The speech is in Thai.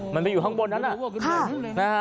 มันไปอยู่ข้างบนนั้น